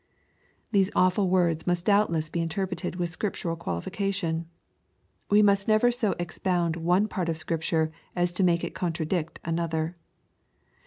These awful words must doubtless be interpreted with scriptural qualification. We must never so expound one part of Scripture as to make it contradict another.